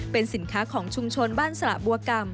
เป็นสินค้าของชุมชนบ้านสระบัวกรรม